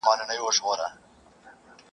له هر چا یې پټه کړې مدعا وه !.